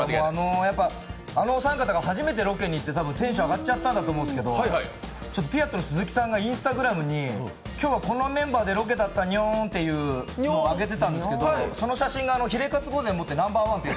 あのお三方が初めてロケに行ってテンション上がっちゃったんだと思うんですけどピアットのスズキさんがＩｎｓｔａｇｒａｍに今日はこのメンバーでロケだったにょーんっていうのを上げてたんですけどその写真が、ひれかつ御膳持ってたので。